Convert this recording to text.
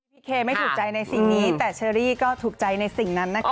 เคไม่ถูกใจในสิ่งนี้แต่เชอรี่ก็ถูกใจในสิ่งนั้นนะคะ